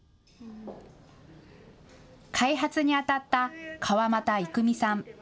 開発にあたった川俣郁美さん。